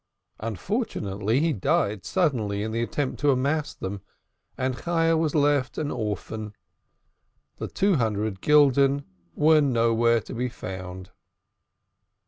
Unfortunately, he died suddenly in the attempt to amass them, and Chayah was left an orphan. The two hundred gulden were nowhere to be found.